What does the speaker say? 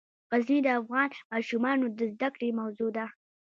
غزني د افغان ماشومانو د زده کړې موضوع ده.